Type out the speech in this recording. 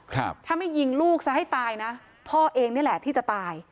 ถ้าไม่ยิงลูกซะให้ตายนะพ่อเองนี่แหละที่จะตาย